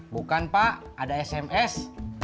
bukan pak ada sms